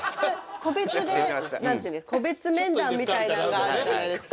個別で個別面談みたいなのがあるじゃないですか。